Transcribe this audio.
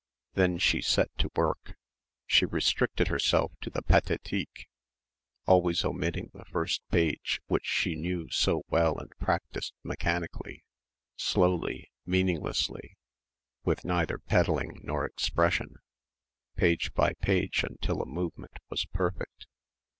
Then she set to work. She restricted herself to the Pathétique, always omitting the first page, which she knew so well and practised mechanically, slowly, meaninglessly, with neither pedalling nor expression, page by page until a movement was perfect.